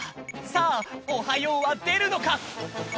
さあ「おはよう」はでるのか！？